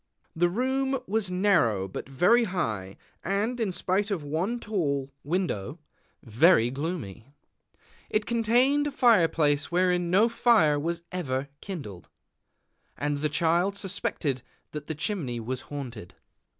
The room was narrow, but very high, and, in spite of one tall window, very gloomy. It contained a fire place wherein no fire was ever kindled; and the Child suspected that the chimney was haunted.